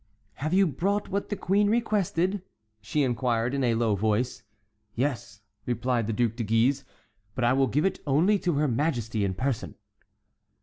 "Have you brought what the queen requested?" she inquired, in a low voice. "Yes," replied the Duc de Guise; "but I will give it only to her majesty in person."